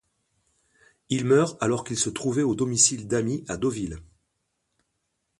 Il meurt alors qu'il se trouvait au domicile d’amis à Deauville.